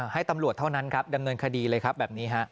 ให้ตำรวจเท่านั้นครับดำเนินคดีเลยครับแบบนี้ฮะ